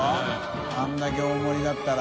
あれだけ大盛りだったら。